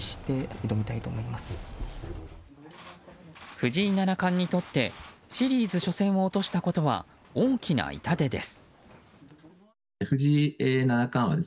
藤井七冠にとってシリーズ初戦を落としたことは大きな痛手です。